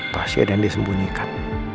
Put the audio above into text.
pasti ada yang disembunyikan